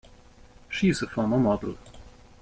She is a former model.